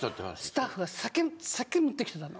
スタッフが酒酒を持って来てたの。